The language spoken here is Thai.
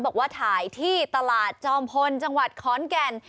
บอกว่าถ่ายที่ตลาดจอมพลจังหวัดขอนแก่น